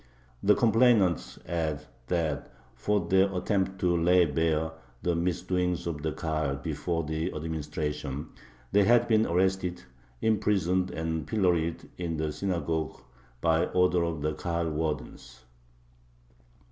The complainants add that for their attempt to lay bare the misdoings of the Kahal before the administration, they had been arrested, imprisoned, and pilloried in the synagogue by order of the Kahal wardens.